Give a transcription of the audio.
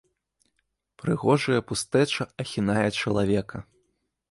Прыгожая пустэча ахінае чалавека.